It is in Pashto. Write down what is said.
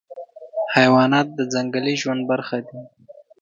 حیوانات د ځنګلي ژوند برخه دي.